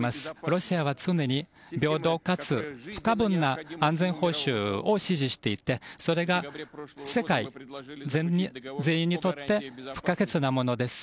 ロシアは常に平等かつ不可分な安全保障を支持していてそれが世界全員にとって不可欠なものです。